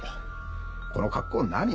この格好何？